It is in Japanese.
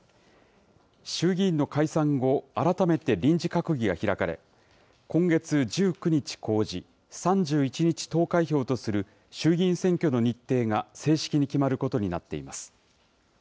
衆議院の解散後、改めて臨時閣議が開かれ、今月１９日公示、３１日投開票とする衆議院選挙の日程が正式に決まることになっています。